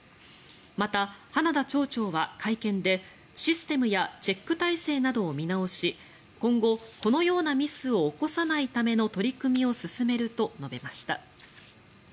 また、花田町長は会見でシステムやチェック体制などを見直し今後、このようなミスを起こさないための取り組みを進めると述べました。